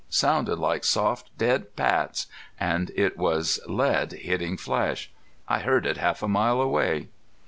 Sounded like soft dead pats! And it was lead hitting flesh. I heard it half a mile away!"